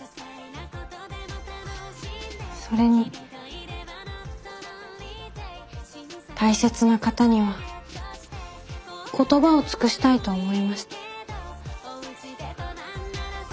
それに大切な方には言葉を尽くしたいと思いました。